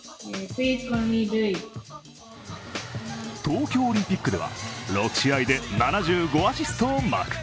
東京オリンピックでは６試合で７５アシストをマーク。